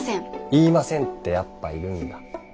「言いません」ってやっぱいるんだ。